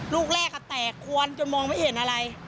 ลูกแรกแตกควนจนมองไม่เห็นอะไร